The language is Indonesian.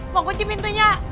mau kunci pintunya